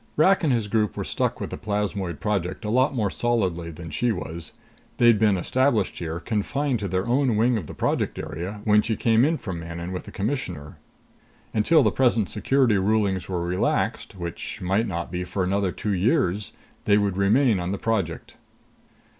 Rak and his group were stuck with the Plasmoid Project a lot more solidly than she was. They'd been established here, confined to their own wing of the Project area, when she came in from Manon with the Commissioner. Until the present security rulings were relaxed which might not be for another two years they would remain on the project.